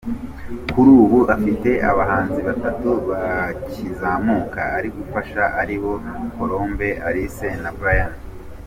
Kuri ubu afite abahanzi batutu bakizamuka ari gufasha aribo Colombe, Alice na Brian.